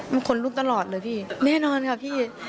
มันขนลุกตลอดเลยพี่แน่นอนค่ะพี่